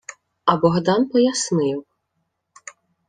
А Богдан пояснив: